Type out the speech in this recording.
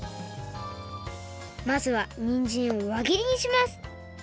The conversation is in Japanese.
まずはにんじんをわぎりにします